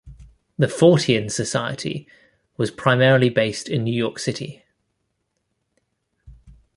The Fortean Society was primarily based in New York City.